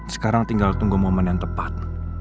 sekarang tinggal tunggu momen yang tepat